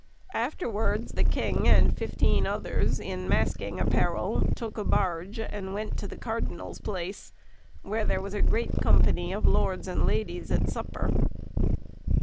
Afterwards the king and fifteen others, in masking apparel, took barge, and went to the Cardinal's place, where was a great company of lords and ladies at supper,—